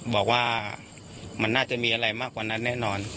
บอกว่ามันน่าจะมีอะไรมากกว่านั้นแน่นอน